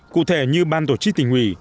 cụ thể như ban tổ chức tỉnh ủy